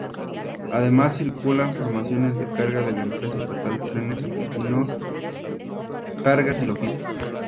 Además circulan formaciones de carga de la empresa estatal Trenes Argentinos Cargas y Logística.